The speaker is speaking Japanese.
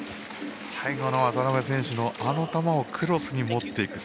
最後の渡辺選手のあの球をクロスに持っていく。